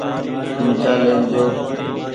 چمچآ لين جو ۔